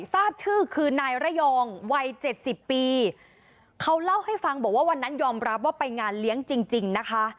ทราบชื่อคือนายระยองวัยเจ็ดสิบปีเขาเล่าให้ฟังบอกว่าวันนั้นยอมรับว่าไปงานเลี้ยงจริงจริงนะคะ